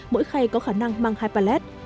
mỗi khay có khả năng mang hai pallet